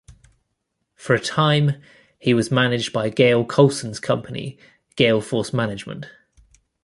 For a time, he was managed by Gail Colson's company, Gailforce Management.